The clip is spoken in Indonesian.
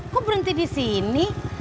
kok berhenti disini